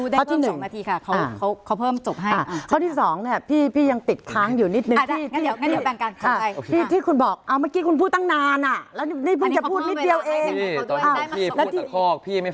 ได้เพิ่มสองนาทีค่ะเขาเพิ่มจบให้